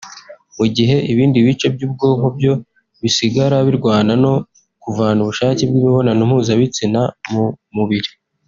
mu gihe ibindi bice by’ubwonko byo bisigara birwana no kuvana ubushake bw’imibonano mpuzabitsina mu mubiri